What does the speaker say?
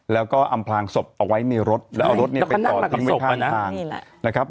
เราก็อำพลางศพเอาไว้ในรถและเอารถนี้ไปยิงไว้ข้าง